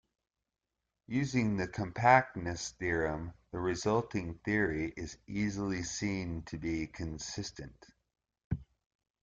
Using the compactness theorem, the resulting theory is easily seen to be consistent.